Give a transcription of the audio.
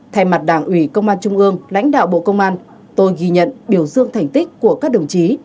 thay mặt đảng ủy công an trung ương lãnh đạo bộ công an tôi ghi nhận biểu dương thành tích của các đồng chí